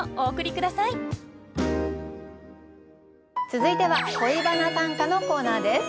続いては「恋バナ短歌」のコーナーです。